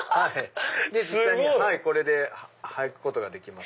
実際にこれで履くことができます。